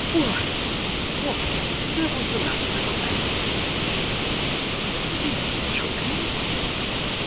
'Why, what the devil's the matter with the lad?' cried the locksmith. 'Is he choking?